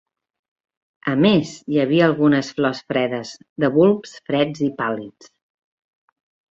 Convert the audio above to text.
A més, hi havia algunes flors fredes, de bulbs freds i pàl·lids.